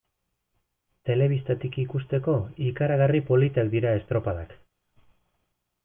Telebistatik ikusteko, ikaragarri politak dira estropadak.